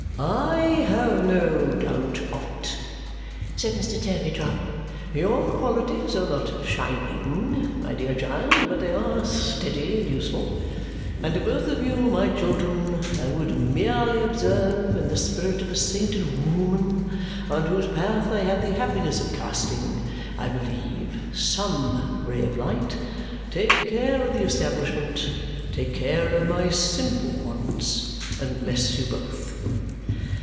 "I have no doubt of it," said Mr. Turveydrop. "Your qualities are not shining, my dear child, but they are steady and useful. And to both of you, my children, I would merely observe, in the spirit of a sainted wooman on whose path I had the happiness of casting, I believe, SOME ray of light, take care of the establishment, take care of my simple wants, and bless you both!"